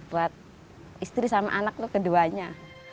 buat istri sama anak tuh keduanya